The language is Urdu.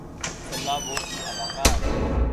چھلاوہ کی اداکار